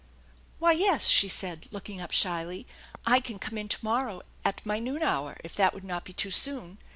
" Why, yes," she said, looking up shyly, " I can come in to morrow at my noon hour if that would not be too soon.